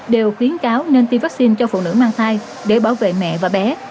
đều khuyến cáo nên tiêm vaccine cho phụ nữ mang thai để bảo vệ mẹ và bé